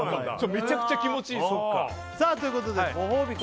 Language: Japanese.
めちゃくちゃ気持ちいいんすよさあということでご褒美